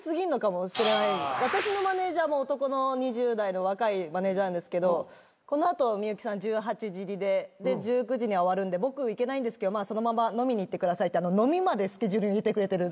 私のマネジャーも男の２０代の若いマネジャーなんですけどこの後幸さん１８時入りでで１９時には終わるんで僕行けないんですけどそのまま飲みに行ってくださいって飲みまでスケジュール入れてくれてる。